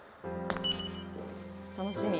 楽しみ。